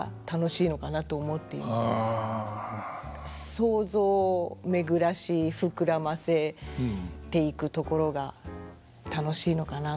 想像を巡らし膨らませていくところが楽しいのかなと思います。